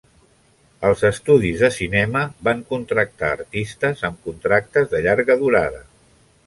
Els estudis de cinema van contractar artistes amb contractes de llarga durada.